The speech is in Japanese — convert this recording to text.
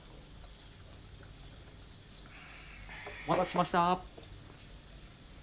お待たせしました。